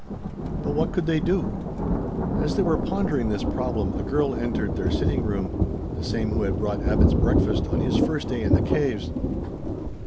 But what could they do? As they were pondering this problem, a girl entered their sitting room the same who had brought Abbot's breakfast on his first day in the caves.